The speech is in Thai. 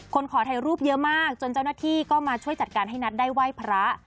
ขอถ่ายรูปเยอะมากจนเจ้าหน้าที่ก็มาช่วยจัดการให้นัทได้ไหว้พระ